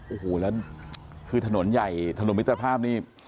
โอ้โหแล้วคือถนนใหญ่ถนนมิตรภาพนี่